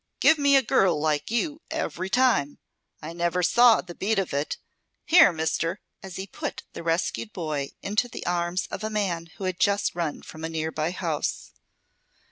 Give me a girl like you ev'ry time! I never saw the beat of it. Here, mister!" as he put the rescued boy into the arms of a man who had just run from a nearby house.